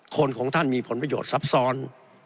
ของท่านมีผลประโยชน์ซับซ้อน